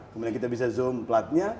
kemudian kita bisa zoom platnya